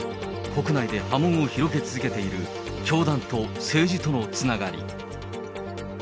国内で波紋を広げ続けている、教団と政治とのつながり。